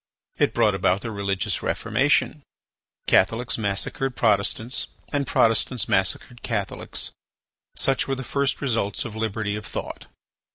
It brought about the religious Reformation; Catholics massacred Protestants and Protestants massacred Catholics. Such were the first results of liberty of thought.